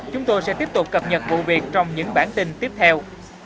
chúng tôi sẽ tiếp tục cập nhật vụ việc trong những bản tin tiếp theo